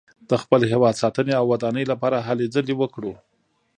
د خپل هېواد ساتنې او ودانۍ لپاره هلې ځلې وکړو.